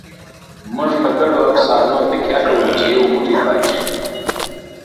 موږ په ګډو افسانو تکیه کوو، چې یو موټی پاتې شو.